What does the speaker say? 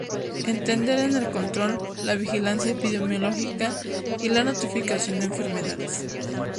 Entender en el control, la vigilancia epidemiológica y la notificación de enfermedades.